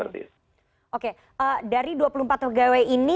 oke dari dua puluh empat pegawai ini